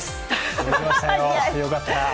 届きましたよ、よかった。